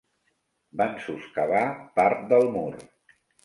Van soscavar part del mur.